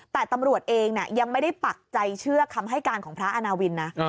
แต่ตำรวจเองยังไม่ได้ปักใจเชื่อคำให้การของพระอาณาวินนะ